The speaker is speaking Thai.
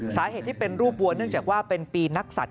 สาเหตุที่เป็นรูปวัวเนื่องจากว่าเป็นปีนักสัตว